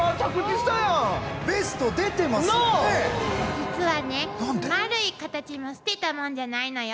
実はね丸いカタチも捨てたもんじゃないのよ。